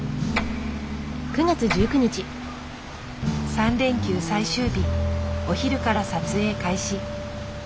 ３連休最終日お昼から撮影開始。